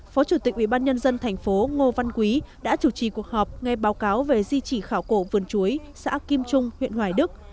phó chủ tịch ubnd tp ngô văn quý đã chủ trì cuộc họp nghe báo cáo về di chỉ khảo cổ vườn chuối xã kim trung huyện hoài đức